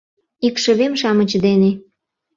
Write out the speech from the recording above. Икшывем-шамыч дене.